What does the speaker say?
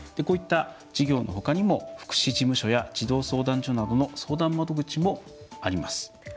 こういった事業のほかにも福祉事務所や児童相談所などの相談窓口もあります。